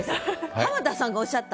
浜田さんがおっしゃったの？